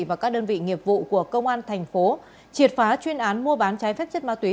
và các đơn vị nghiệp vụ của công an thành phố triệt phá chuyên án mua bán trái phép chất ma túy